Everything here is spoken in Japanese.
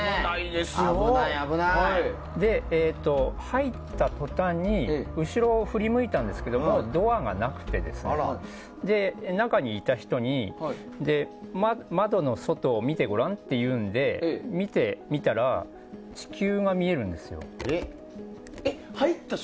入ったとたんに後ろを振り向いたんですけどもうドアがなくてですね中にいた人に窓の外を見てごらんって言うんで見てみたら地球が見えるんですよ。